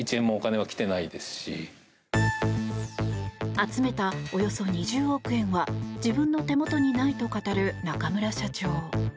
集めたおよそ２０億円は自分の手元にないと語る中村社長。